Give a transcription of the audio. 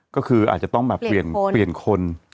ก็คืออาจจะต้องแบบเปลี่ยนเปลี่ยนคน